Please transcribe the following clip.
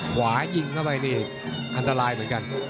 ขวายิงเข้าไปนี่อันตรายเหมือนกัน